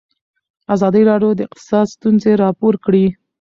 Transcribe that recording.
ازادي راډیو د اقتصاد ستونزې راپور کړي.